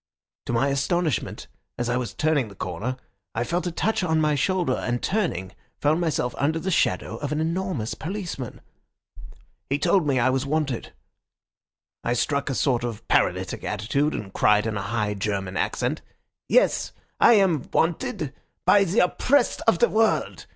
To my astonishment, as I was turning the corner, I felt a touch on the shoulder, and turning, found myself under the shadow of an enormous policeman. He told me I was wanted. I struck a sort of paralytic attitude, and cried in a high German accent, 'Yes, I am wanted—by the oppressed of the world.